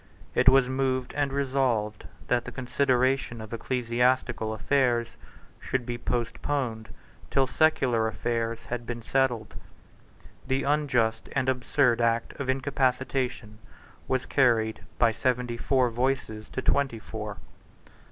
It was moved and resolved that the consideration of ecclesiastical affairs should be postponed till secular affairs had been settled. The unjust and absurd Act of Incapacitation was carried by seventy four voices to twenty four.